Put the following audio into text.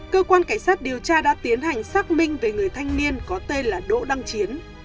cơ quan cảnh sát điều tra đã tiến hành xác minh về người thanh niên có tên là đỗ đăng chiến